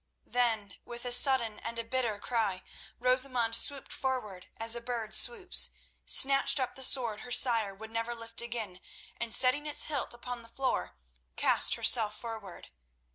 Then, with a sudden and a bitter cry, Rosamund swooped forward, as a bird swoops, snatched up the sword her sire would never lift again, and setting its hilt upon the floor, cast herself forward.